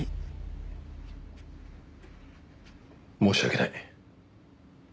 申し訳ない。